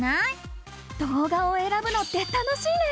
動画をえらぶのって楽しいね！